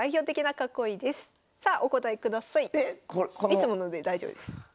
いつもので大丈夫です。